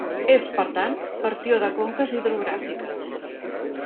És, per tant, partió de conques hidrogràfiques.